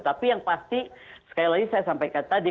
tapi yang pasti sekali lagi saya sampaikan tadi